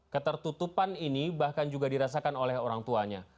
ketertutupan ini bahkan juga dirasakan oleh orang tuanya